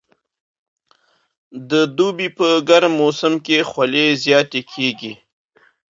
د دوبي په ګرم موسم کې خولې زیاتې کېږي.